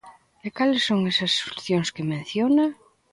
E cales son esas solucións que menciona?